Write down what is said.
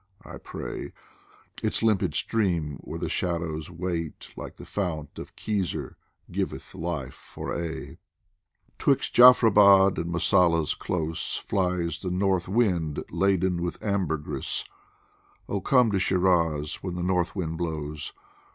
" I pray ; Its limpid stream where the shadows wait Like the fount of Khizr giveth life for aye. 103 POEMS FROM THE 'Twixt Jafrabad and Mosalla's close Flies the north wind laden with ambergris Oh, come to Shiraz when the north wind blows